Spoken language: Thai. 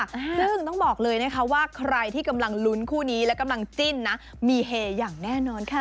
ซึ่งต้องบอกเลยนะคะว่าใครที่กำลังลุ้นคู่นี้และกำลังจิ้นนะมีเฮอย่างแน่นอนค่ะ